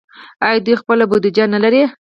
آیا دوی خپله بودیجه نلري؟